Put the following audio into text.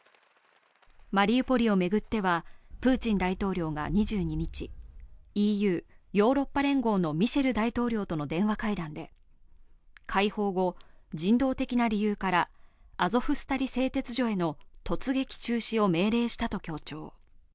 マリウポリを巡ってはプーチン大統領が２２日、ＥＵ＝ヨーロッパ連合のミシェル大統領との電話会談で解放後、人道的な理由からアゾフスタリ製鉄所への突撃中止を命令したと強調。